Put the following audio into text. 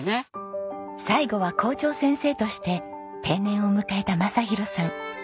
最後は校長先生として定年を迎えた雅啓さん。